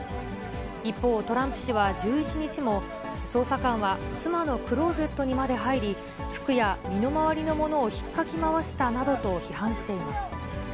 一方、トランプ氏は１１日も、捜査官は妻のクローゼットにまで入り、服や身の回りのものをひっかき回したなどと、批判しています。